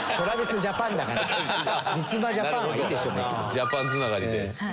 「ジャパン」つながり。